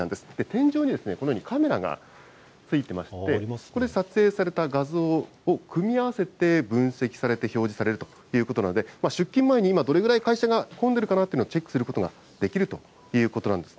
天井にこのようにカメラがついてまして、ここで撮影された画像を組み合わせて、分析されて表示されるということなので、出勤前に今、どれぐらい会社が混んでるかなというのをチェックすることができるということなんです。